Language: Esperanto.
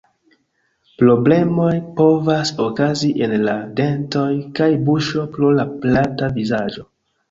Problemoj povas okazi en la dentoj kaj buŝo pro la plata vizaĝo.